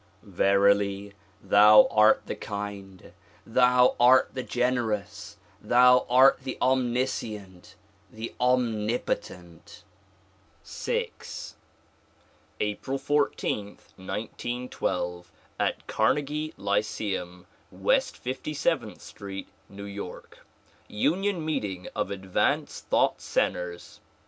Verily thou are the kind! Thou art the generous! Thou are the omniscient, the omnipotent ! VI April Id, 1912, at Carnegie Lyceum, West 57t}i Street, New York. Union Meeting of Advanced Thought Centers.